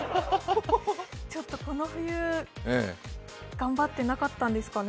ちょっとこの冬、頑張ってなかったんですかね。